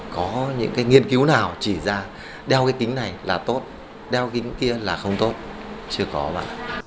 có những nghiên cứu nào chỉ ra đeo cái kính này là tốt đeo cái kính kia là không tốt chưa có mà